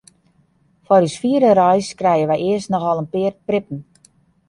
Foar ús fiere reis krije wy earst noch al in pear prippen.